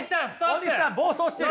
大西さん暴走してる。